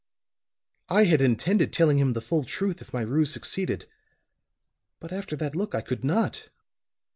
"I had intended telling him the full truth if my ruse succeeded. But after that look I could not.